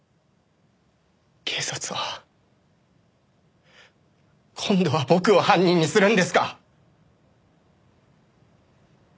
警察は今度は僕を犯人にするんですか？